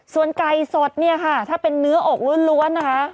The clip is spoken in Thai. ส่วนไก่สดเนี่ยค่ะถ้าเป็นเนื้ออกล้วนนะคะ